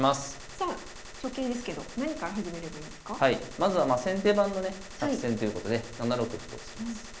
まずは先手番のね作戦ということで７六歩と突きます。